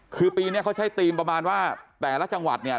คือปีนี้เขาใช้ธีมประมาณว่าแต่ละจังหวัดเนี่ย